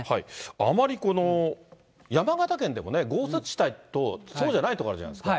あまりこの、山形県でもね、豪雪地帯とそうじゃない所あるじゃないですか。